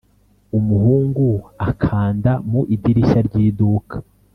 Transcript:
] umuhungu akanda mu idirishya ry iduka.